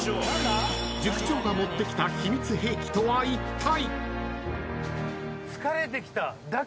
［塾長が持ってきた秘密兵器とはいったい？］